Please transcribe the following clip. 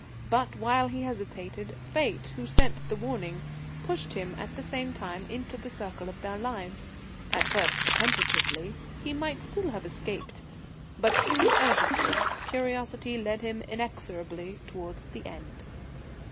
But, while he hesitated, Fate, who sent the warning, pushed him at the same time into the circle of their lives: at first tentatively he might still have escaped; but soon urgently curiosity led him inexorably towards the end.